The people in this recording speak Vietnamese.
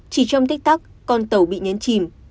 chỉ trong tích tắc con tàu bị nhấn chìm